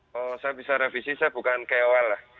kalau saya bisa revisi saya bukan kol